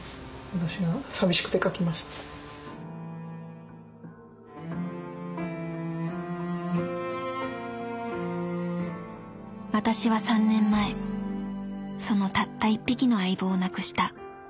「私は３年前そのたった１匹の相棒を亡くした。